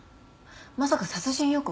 まさか殺人予告！？